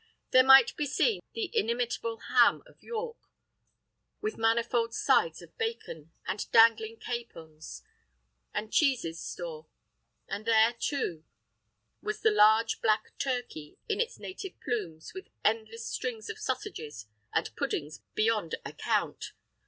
There might be seen the inimitable ham of York, with manifold sides of bacon, and dangling capons, and cheeses store; and there, too, was the large black turkey, in its native plumes, with endless strings of sausages, and puddings beyond account.